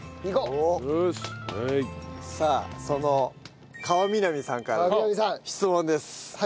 さあその川南さんからの質問です。